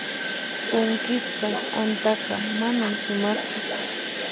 Punkisqa t'antaqa manan sumaqchu.